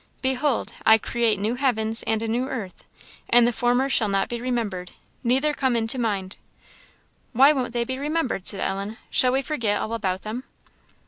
" 'Behold, I create new heavens and a new earth, and the former shall not be remembered, neither come into mind.' " "Why won't they be remembered?" said Ellen "shall we forget all about them?"